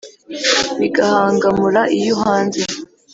bigahangamura iyo uhanze